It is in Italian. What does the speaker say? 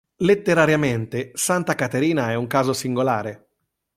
Letterariamente santa Caterina è un caso singolare.